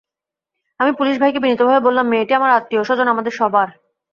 আমি পুলিশ ভাইকে বিনীতভাবে বললাম, মেয়েটি আমার আত্মীয়, স্বজন আমাদের সবার।